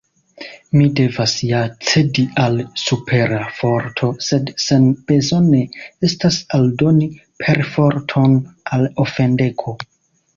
Mi devas ja cedi al supera forto, sed senbezone estas aldoni perforton al ofendego.